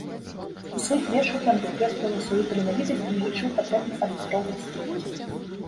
У сваіх вершаў ён падкрэсліваў сваю таленавітасць і не лічыў патрэбным адлюстроўваць сціпласць.